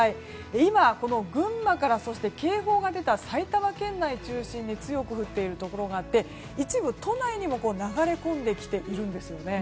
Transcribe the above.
今、群馬から警報が出た埼玉県内を中心に強く降っているところがあって一部、都内にも流れ込んできているんですね。